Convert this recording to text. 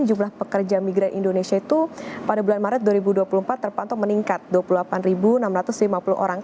jumlah pekerja migran indonesia itu pada bulan maret dua ribu dua puluh empat terpantau meningkat dua puluh delapan enam ratus lima puluh orang